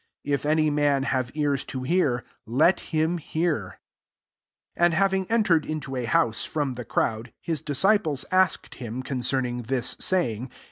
16 If any man have ears to hear, let him hear." ir And having entered into a house, from the crowd, his dis ciples asked him concerning this saying.